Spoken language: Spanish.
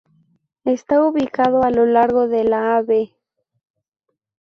Está ubicado a lo largo de la Av.